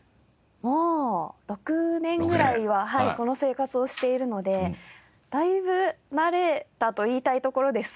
もう６年ぐらいはこの生活をしているのでだいぶ慣れたと言いたいところです。